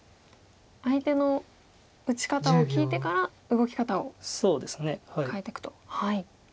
相手の打ち方を聞いてから動き方をかえていくと。